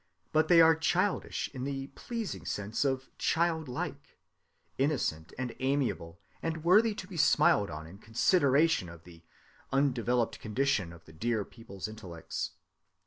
But they are childish in the pleasing sense of "childlike"—innocent and amiable, and worthy to be smiled on in consideration of the undeveloped condition of the dear people's intellects.